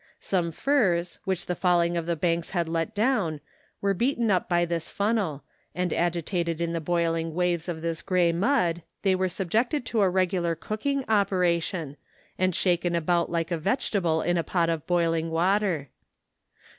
Some firs, which the falling of the banks had let down were beaten up in this funnel, and agitated in the boiling waves of this grey mud, they were subjected to a regular cooking operation, and shaken about like a vegetable in a pot of boiling water.